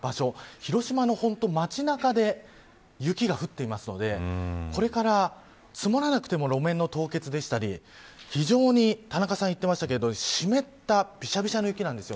広島の街中で雪が降っていますのでこれから積もらなくても路面の凍結だったり非常に、田中さんが言ってましたけど湿ったびしゃびしゃな雪なんですよ。